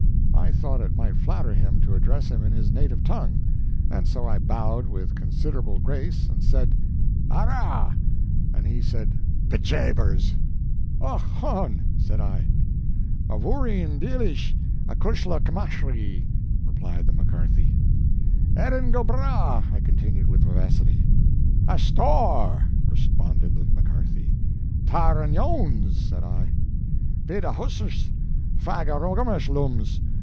I thought it might flatter him to address him in his native tongue, and so I bowed with considerable grace and said: "Arrah!" And he said, "Be jabers!" "Och hone!" said I. "Mavoureen dheelish, acushla machree," replied The McCarthy. "Erin go bragh," I continued with vivacity. "Asthore!" responded The McCarthy. "Tare an' ouns!" said I. "Bhe dha husth; fag a rogarah lums!"